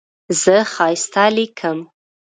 زه ښایسته لیکم.